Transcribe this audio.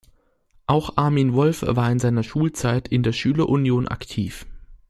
Auch Armin Wolf war in seiner Schulzeit in der Schülerunion aktiv.